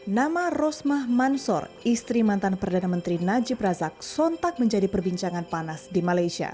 nama rosmah mansor istri mantan perdana menteri najib razak sontak menjadi perbincangan panas di malaysia